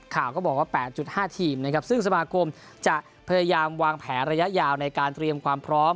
ข่าวก็บอกว่า๘๕ทีมนะครับซึ่งสมาคมจะพยายามวางแผนระยะยาวในการเตรียมความพร้อม